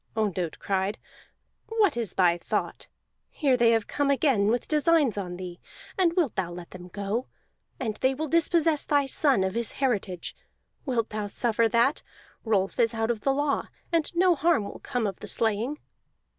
Ondott cried: "What is thy thought? Here they have come again with designs on thee, and wilt thou let them go? And they will dispossess thy son of his heritage; wilt thou suffer that? Rolf is out of the law, and no harm will come of the slaying."